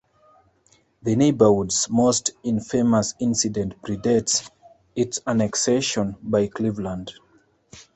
The neighborhood's most infamous incident pre-dates its annexation by Cleveland.